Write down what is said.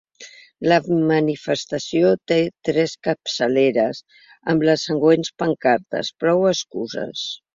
La manifestació té tres capçaleres amb les següents pancartes: Prou excuses.